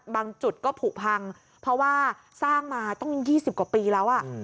จุดก็ผูกพังเพราะว่าสร้างมาต้อง๒๐กว่าปีแล้ว